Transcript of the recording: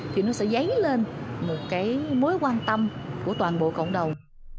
thì nó sẽ dấy lên một cái mối quan tâm của toàn bộ cộng đồng